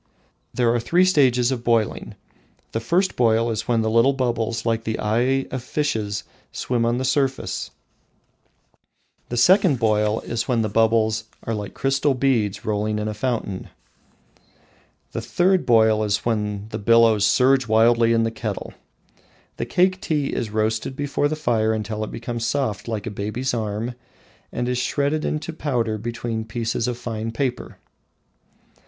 There are three stages of boiling: the first boil is when the little bubbles like the eye of fishes swim on the surface; the second boil is when the bubbles are like crystal beads rolling in a fountain; the third boil is when the billows surge wildly in the kettle. The Cake tea is roasted before the fire until it becomes soft like a baby's arm and is shredded into powder between pieces of fine paper.